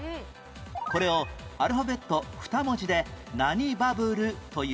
これをアルファベット２文字で何バブルという？